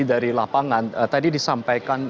dari lapangan tadi disampaikan